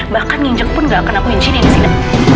bahkan nginjek pun gak akan aku injinin disini